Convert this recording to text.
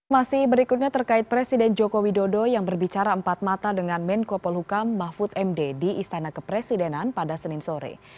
masih berikutnya terkait presiden joko widodo yang berbicara empat mata dengan menko polhukam mahfud md di istana kepresidenan pada senin sore